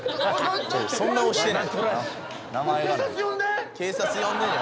「そんな押してない」